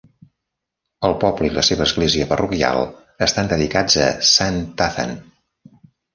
El poble i la seva església parroquial estan dedicats a sant Tathan.